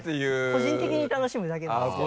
個人的に楽しむだけなんですけど。